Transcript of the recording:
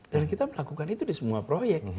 dan kita melakukan itu di semua proyek